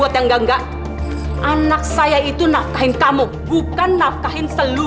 tidak pak gimah itu